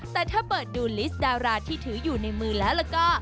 แต่ถ้าเปิดดูลิสต์ดาราที่ถืออยู่ในมือแล้วแล้วก็